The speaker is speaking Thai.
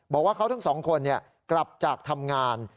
บอกว่าเขาทั้งสองคนกลับจากทำงาน